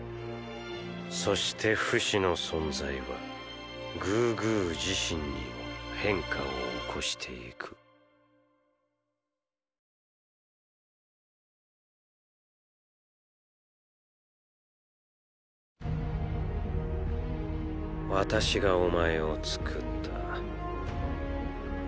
そしてフシの存在はグーグー自身にも変化を起こしていく私がお前を作った。